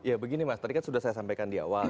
ya begini mas tadi kan sudah saya sampaikan di awal